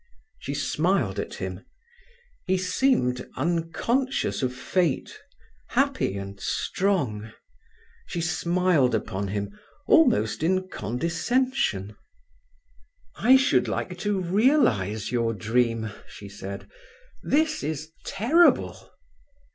She smiled at him. He seemed unconscious of fate, happy and strong. She smiled upon him almost in condescension. "I should like to realize your dream," she said. "This is terrible!"